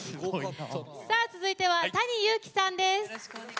続いてはＴａｎｉＹｕｕｋｉさんです。